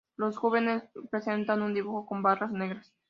Los juveniles presentan un dibujo con barras negras.